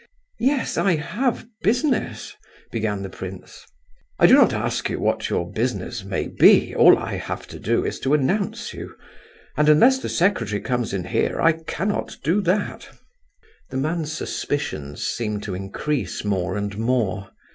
"Yes—I have business—" began the prince. "I do not ask you what your business may be, all I have to do is to announce you; and unless the secretary comes in here I cannot do that." The man's suspicions seemed to increase more and more.